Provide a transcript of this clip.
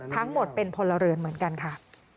ทั้งหมดเป็นพลเรือนเหมือนกันค่ะ